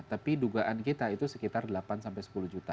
tapi dugaan kita itu sekitar delapan sampai sepuluh juta